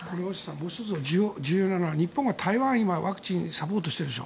もう１つ重要なのは日本が今、台湾ワクチンでサポートしてるでしょ。